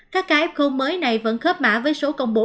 các ca f mới này vẫn khớp mã với số công bố